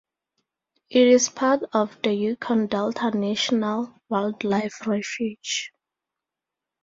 It is part of the Yukon Delta National Wildlife Refuge.